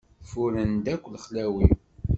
Furren-d akk lexlawi.